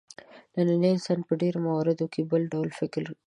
نننی انسان په ډېرو موردونو کې بل وړ فکر کوي.